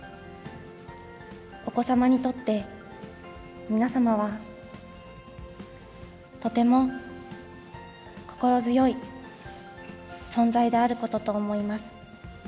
お子様にとって、皆様はとても心強い存在であることと思います。